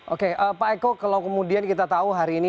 oke pak eko kalau kemudian kita tahu hari ini